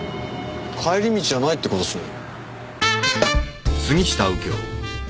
帰り道じゃないって事ですね。